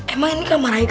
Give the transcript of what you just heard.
emang ini kamar hai